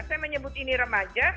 saya menyebut ini remaja